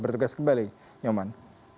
bertugas kembali nyoman